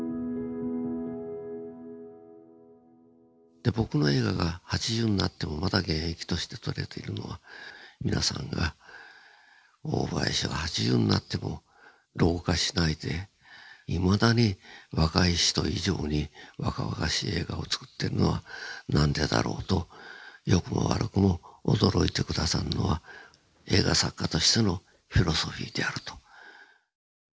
で僕の映画が８０になってもまだ現役として撮れているのは皆さんが「大林は８０になっても老化しないでいまだに若い人以上に若々しい映画をつくってるのは何でだろう」と良くも悪くも驚いて下さるのは映画作家としてのフィロソフィーであると。